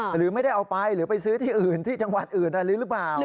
หรือไม่ได้เอาไปหรือไปซื้อที่อื่นที่จังหวัดอื่นอะไรหรือเปล่า